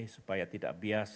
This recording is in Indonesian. supaya tidak bias